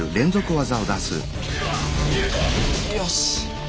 よし！